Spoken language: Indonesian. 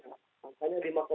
sudah menanggapi keosokan